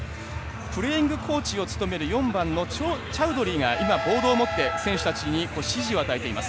プレイングコーチを務めるチャウドリーが今、ボールを持って選手たちに指示を与えています。